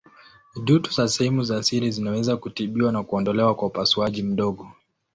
Dutu za sehemu za siri zinaweza kutibiwa na kuondolewa kwa upasuaji mdogo.